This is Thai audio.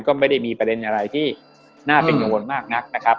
ก็ไม่ได้มีประเด็นอะไรที่น่าเป็นกังวลมากนักนะครับ